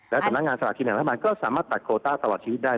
และสำนักงานสลากกินแห่งรัฐบาลก็สามารถตัดโคต้าตลอดชีวิตได้